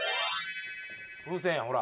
風船やほら。